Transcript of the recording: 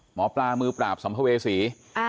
หมอปลามือปราบสำทะเวสี